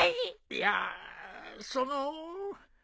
いやあその。